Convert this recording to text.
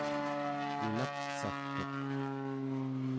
ulapsagtuq